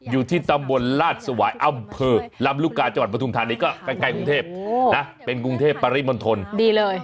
อยู่ที่ตำบลลาดสวายอำเภอลำลูกกาจังหวัดปทุมธานีก็ใกล้กรุงเทพนะเป็นกรุงเทพปริมณฑลดีเลย